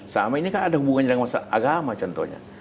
sama ini kan ada hubungannya dengan agama contohnya